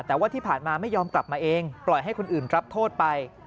แต่ว่าที่ผ่านมาไม่ยอมกลับมาเองปล่อยให้คนอื่นรับโทษไป